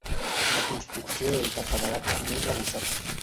La construcció és de paredat comú arrebossat.